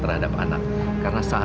eh bisa diam nggak sih